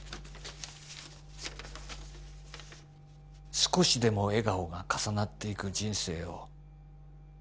「少しでも笑顔が重なっていく人生を」